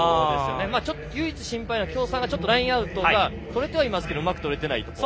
唯一心配なのは京産がラインアウトをとれてはいますがうまくとれていないところ。